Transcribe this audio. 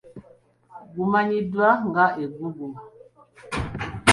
Gumanyiddwa nga eggugu.